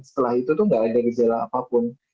setelah itu tuh nggak ada gejala apapun